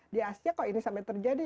di asia kok ini sampai terjadi